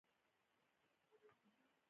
په ټول عمر کې بیا په اسانۍ خپل ځان موندلی نشي.